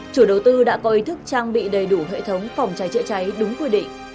chủ đầu tư đã có ý thức trang bị đầy đủ hệ thống phòng cháy chữa cháy đúng quy định